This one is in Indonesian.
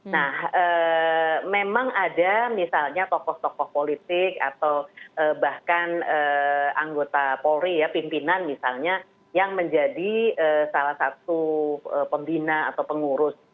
nah memang ada misalnya tokoh tokoh politik atau bahkan anggota polri ya pimpinan misalnya yang menjadi salah satu pembina atau pengurus